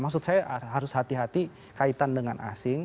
maksud saya harus hati hati kaitan dengan asing